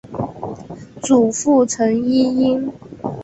祖父陈尹英。